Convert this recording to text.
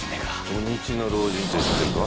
「土日の老人」って知ってるか？